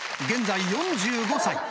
現在４５歳。